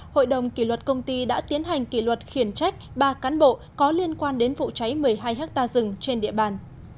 hội đồng kỷ luật công ty đã tiến hành kỷ luật khiển trách ba cán bộ có liên quan đến vụ cháy một mươi hai hectare rừng trên địa bàn